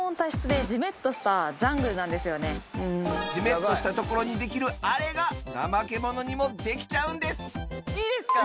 じめっとしたところにできるあれがナマケモノにもできちゃうんですいいですか？